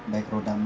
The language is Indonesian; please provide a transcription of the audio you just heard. baik roda empat